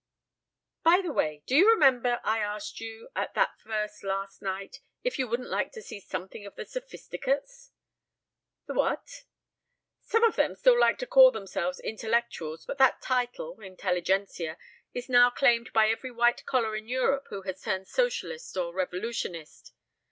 "By the way! Do you remember I asked you at that last first night if you wouldn't like to see something of the Sophisticates?" "The what?" "Some of them still like to call themselves Intellectuals, but that title Intelligentsia is now claimed by every white collar in Europe who has turned Socialist or Revolutionist.